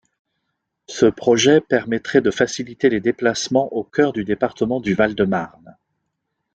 Ce projet permettrait de faciliter les déplacements au cœur du département du Val-de-Marne.